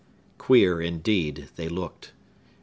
Queer, indeed, they looked!